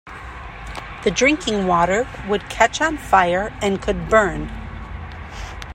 The drinking water would catch on fire, and could burn.